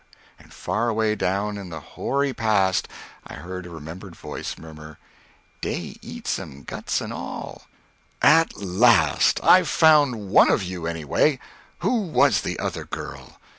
and far away down in the hoary past I heard a remembered voice murmur, "Dey eats 'em guts and all!" "At last! I've found one of you, anyway! Who was the other girl?"